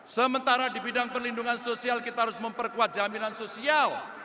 sementara di bidang perlindungan sosial kita harus memperkuat jaminan sosial